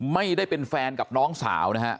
ไม่ได้เป็นแฟนกับน้องสาวนะฮะ